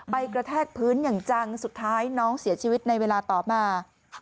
กระแทกพื้นอย่างจังสุดท้ายน้องเสียชีวิตในเวลาต่อมา